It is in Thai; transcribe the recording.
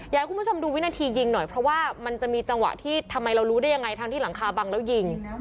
อยากให้คุณผู้ชมดูวินาทียิงหน่อยเพราะว่ามันจะมีจังหวะที่ทำไมเรารู้ได้ยังไงทั้งที่หลังคาบังแล้วยิง